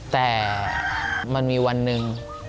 แต่มันมีวันหนึ่ง